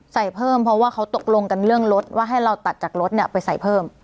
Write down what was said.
ใส่เพิ่มเพราะว่าเขาตกลงกันเรื่องรถว่าให้เราตัดจากรถไปใส่เพิ่ม